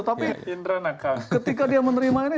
tapi ketika dia menerima ini